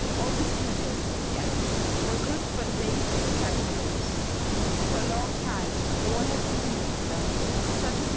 All these images," he added, u were good for the days of the catacombs. For a long time no one has believed in MAYEKSTROSS. OMEGA. i 27 them.